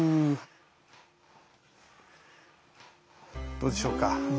どうでしょうか？